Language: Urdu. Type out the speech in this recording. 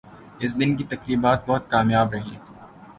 اس دن کی تقریبات بہت کامیاب رہیں